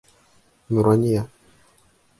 Нурания